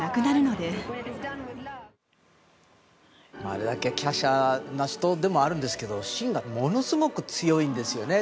あれだけ華奢な人ではあるんですけど芯がものすごく強いんですよね。